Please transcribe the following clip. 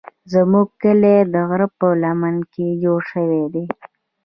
زموږ کلی د غره په لمنه کې جوړ شوی دی.